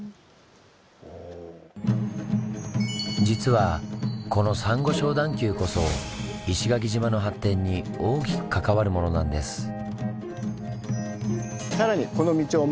実はこのサンゴ礁段丘こそ石垣島の発展に大きく関わるものなんです。